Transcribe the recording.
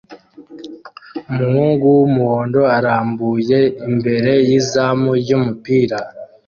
Umuhungu wumuhondo arambuye imbere yizamu ryumupira